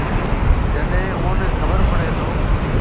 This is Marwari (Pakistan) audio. جڏيَ اُوئون نَي خبر پڙِي تو۔